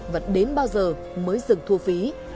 và đến bao giờ mới dừng thu phí